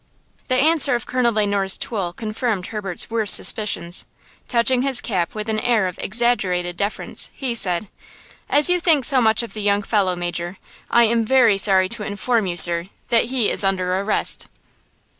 The answer of Colonel Le Noir's tool confirmed Herbert's worse suspicions. Touching his cap with an air of exaggerated deference, he said: "As you think so much of the young fellow, Major, I am very sorry to inform you, sir, that he is under arrest."